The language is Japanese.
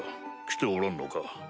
来ておらぬのか？